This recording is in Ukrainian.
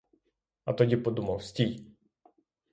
А тоді подумав: стій!